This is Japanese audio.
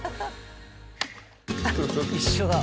一緒だ。